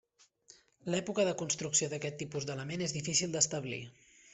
L'època de construcció d'aquest tipus d'element és difícil d'establir.